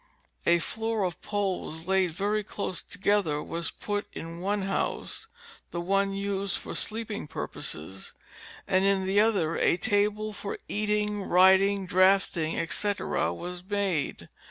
A floor of poles laid very close together was put in one house, the one used for sleeping purposes, and in the other a table for eating, writing, draughting, etc., was made.